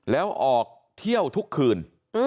แล้วออกเที่ยวทุกคืน